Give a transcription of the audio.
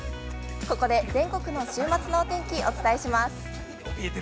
ここで全国の週末のお天気、お伝えします。